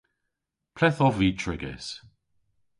Ple'th ov vy trigys?